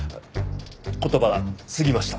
言葉が過ぎました。